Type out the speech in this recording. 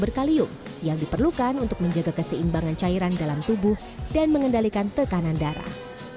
pisang juga penting sebagai sumber kalium yang diperlukan untuk menjaga keseimbangan cairan dalam tubuh dan mengendalikan tekanan darah